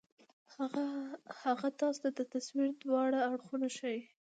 هغه تاسو ته د تصوير دواړه اړخونه ښائي